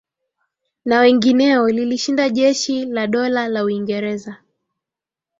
na wengineo lilishinda jeshi la Dola la Uingereza